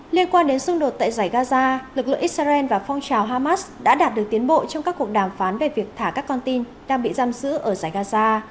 liên quan đến xung đột tại giải gaza lực lượng israel và phong trào hamas đã đạt được tiến bộ trong các cuộc đàm phán về việc thả các con tin đang bị giam giữ ở giải gaza